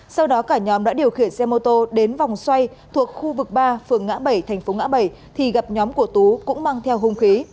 sau đó cả nhóm đã điều khiển xe mô tô đến vòng xoay thuộc khu vực ba phường ngã bảy thành phố ngã bảy thì gặp nhóm của tú cũng mang theo hung khí